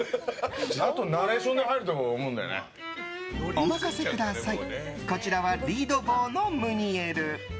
お任せください、こちらはリードヴォーのムニエル。